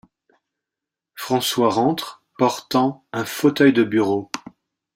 François rentre portant un fauteuil de bureau.